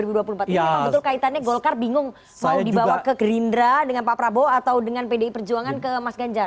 memang betul kaitannya golkar bingung mau dibawa ke gerindra dengan pak prabowo atau dengan pdi perjuangan ke mas ganjar